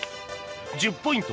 １０ポイント